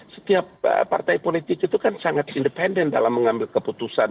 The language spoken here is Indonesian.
setiap partai politik itu kan sangat independen dalam mengambil keputusan